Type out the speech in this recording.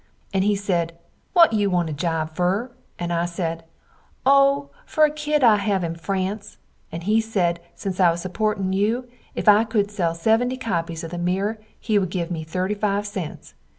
and he sed what you want a job fer? and I sed, O fer a kid I have in France and he sed since I was suportin you if I cood sell 70 copies of the Mirror he wood give me 35 cts.